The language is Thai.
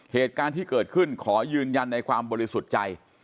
เหตุการณ์ที่เกิดขึ้นขอยืนยันในความบริสุทธิ์ใจ